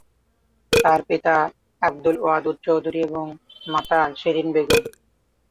তার পিতা আবদুল ওয়াদুদ চৌধুরী এবং মাতা শিরিন বেগম।